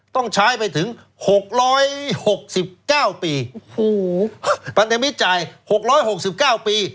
ต้องใช้ไปถึง๖๖๙ปีโอ้โหพันธมิตรจ่าย๖๖๙ปี